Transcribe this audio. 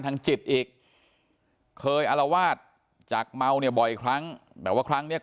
ทางจิตอีกเคยอารวาสจากเมาเนี่ยบ่อยครั้งแต่ว่าครั้งเนี้ย